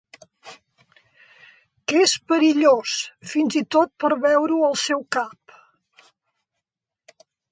Que és perillós, fins i tot per veure-ho al seu cap.